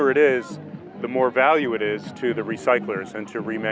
vì đoàn thảo được phân hủy ra